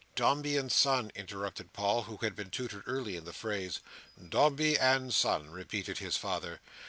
"Dombey and Son," interrupted Paul, who had been tutored early in the phrase. "Dombey and Son," repeated his father.